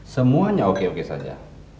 semuanya oke oke saja